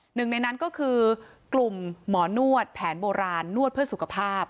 หนึ่งในนั้นก็คือกลุ่มหมอนวดแผนโบราณนวดเพื่อสุขภาพ